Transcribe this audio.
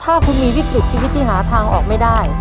ถ้าคุณมีวิกฤตชีวิตที่หาทางออกไม่ได้